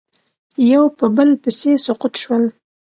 یو په بل پسې سقوط شول